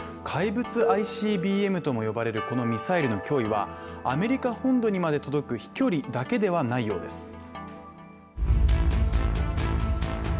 怪物ＩＣＢＭとも呼ばれるこのミサイルの脅威はアメリカ本土にまで届く飛距離だけではないようです。